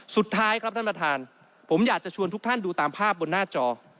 สุดท้ายครับท่านประธานผมอยากจะชวนทุกท่านดูตามภาพบนหน้าจอ